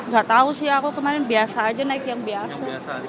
gak tau sih aku kemarin biasa aja naik yang biasa